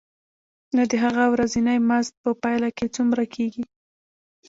نو د هغه ورځنی مزد په پایله کې څومره کېږي